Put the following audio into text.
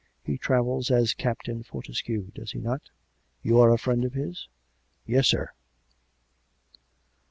He travels as Captain Fortescue, does he not.'' You are a friend of his ?"■" Yes, sir."